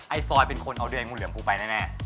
ไอ้ฟรอยเป็นคนเอาเดือร์ไอ่งูเหลืองกูไปเนี่ยแม่